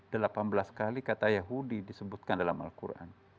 delapan belas kali kata yahudi disebutkan dalam al quran